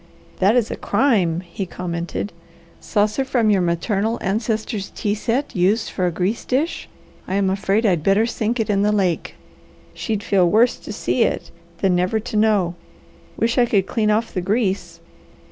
"That is a crime!" he commented. "Saucer from your maternal ancestors' tea set used for a grease dish. I am afraid I'd better sink it in the lake. She'd feel worse to see it than never to know. Wish I could clean off the grease!